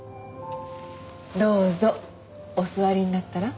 どうぞお座りになったら？